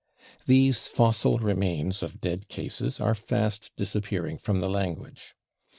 These fossil remains of dead cases are fast disappearing from the language.